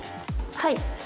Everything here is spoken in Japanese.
はい。